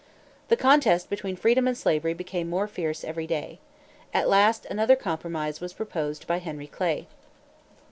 The contest between freedom and slavery became more fierce every day. At last another compromise was proposed by Henry Clay.